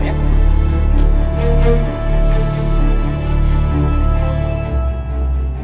masa dulu pak